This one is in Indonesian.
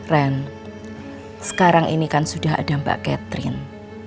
ren sekarang ini kan sudah ada mbak catherine